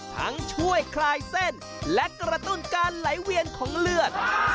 ช่วยคลายเส้นและกระตุ้นการไหลเวียนของเลือด